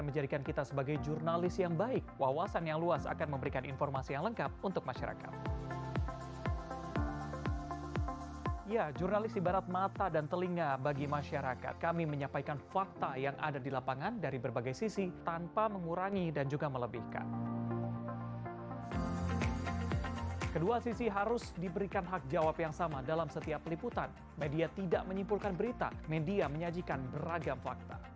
media tidak menyimpulkan berita media menyajikan beragam fakta